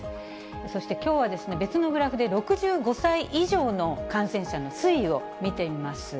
そしてきょうは、別のグラフで、６５歳以上の感染者の推移を見てみます。